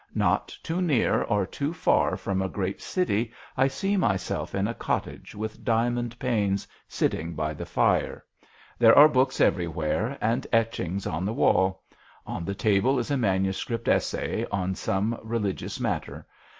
Not too near or too far from a great city I see myself in a cottage with diamond panes, sitting by the fire. There are books everywhere and etchings on the wall ; on the table is a manuscript essay on some re ligious matter.